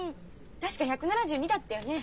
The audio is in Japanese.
確か１７２だったよね？